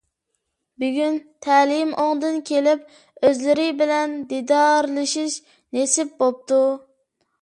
بۈگۈن تەلىيىم ئوڭدىن كېلىپ ئۆزلىرى بىلەن دىدارلىشىش نېسىپ بوپتۇ!